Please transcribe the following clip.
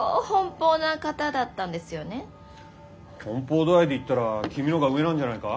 奔放度合いでいったら君のほうが上なんじゃないか？